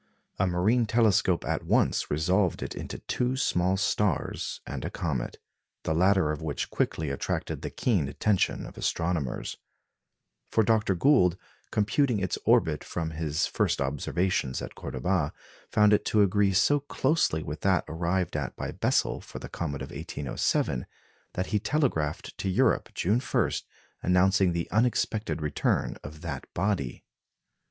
A marine telescope at once resolved it into two small stars and a comet, the latter of which quickly attracted the keen attention of astronomers; for Dr. Gould, computing its orbit from his first observations at Cordoba, found it to agree so closely with that arrived at by Bessel for the comet of 1807 that he telegraphed to Europe, June 1, announcing the unexpected return of that body.